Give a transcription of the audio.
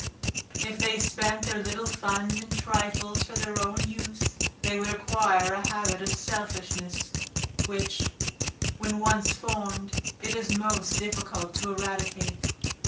If they spent their little fund in trifles for their own use, they would acquire a habit of selfishness; which, when once formed, it is most difficult to eradicate.